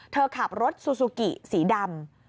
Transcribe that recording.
เธอขับรถซูซูกิสีดำ